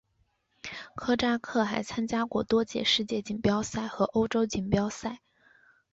科扎克还参加过多届世界锦标赛和欧洲锦标赛。